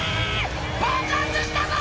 爆発したぞ！」